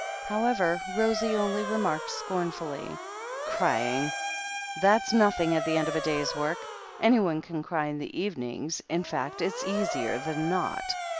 However, Rosie only remarked scornfully : "Crying! That's nothing at the end of a day's work. Anyone can cry in the evenings — in fact, it's easier than not.